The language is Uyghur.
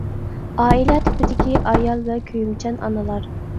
ئائىلە تىپىدىكى ئايال ۋە كۆيۈمچان ئانىلار.